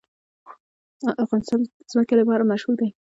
افغانستان د ځمکه لپاره مشهور دی.